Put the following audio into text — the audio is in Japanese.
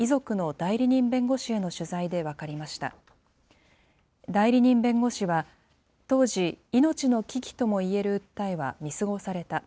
代理人弁護士は、当時、命の危機ともいえる訴えは見過ごされた。